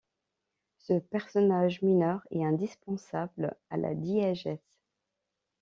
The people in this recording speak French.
Ce personnage mineur est indispensable à la diégèse.